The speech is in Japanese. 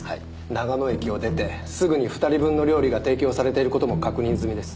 長野駅を出てすぐに２人分の料理が提供されている事も確認済みです。